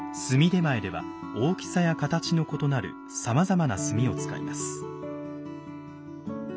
炭点前では大きさや形の異なるさまざまな炭を使います。